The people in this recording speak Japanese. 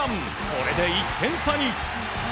これで１点差に。